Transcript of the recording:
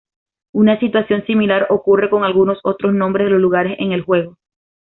Una situación similar ocurre con algunos otros nombres de los lugares en el juego.